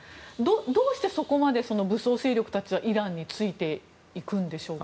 どうしてそこまで武装勢力たちはイランについていくんでしょうか。